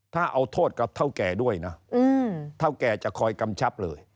ถ้าเอาโทษกับเท่าแก่ด้วยนะเท่าแก่จะคอยกำชับเลย